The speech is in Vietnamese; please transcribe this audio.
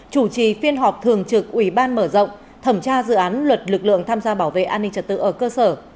chủ trì phiên họp thường trực ủy ban mở rộng thẩm tra dự án luật lực lượng tham gia bảo vệ an ninh trật tự ở cơ sở